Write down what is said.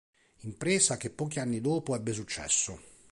Impresa che pochi anni dopo ebbe successo.